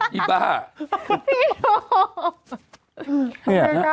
ที่บ้าที่โทษ